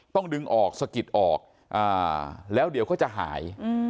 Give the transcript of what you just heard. ต้องดึงออกสะกิดออกแล้วเดี๋ยวเขาจะหาย